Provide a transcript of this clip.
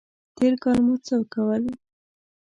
تېر کال مو څه کول؟